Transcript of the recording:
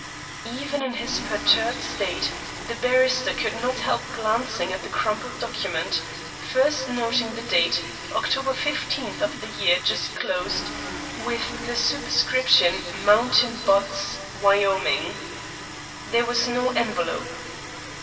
Even in his perturbed state the barrister could not help glancing at the crumpled document, first noting the date, October 15th of the year just closed, with the superscription, "Mountain Butts, Wyoming." There was no envelope.